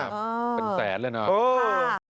เป็นแสนเลยนะครับโอ้ค่ะ